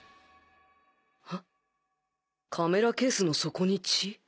ハッカメラケースの底に血！？